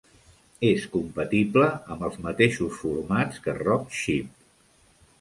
És compatible amb els mateixos formats que Rockchip.